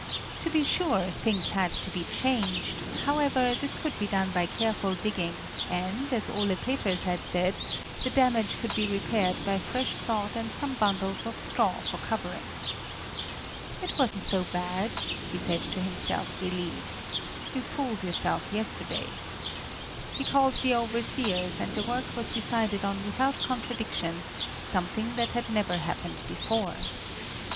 To be sure, things had to be changed; however, this could be done by careful digging and, as Ole Peters had said, the damage could be repaired by fresh sod and some bundles of straw for covering. "It wasn't so bad," he said to himself, relieved; "you fooled yourself yesterday." He called the overseers, and the work was decided on without contradiction, something that had never happened before.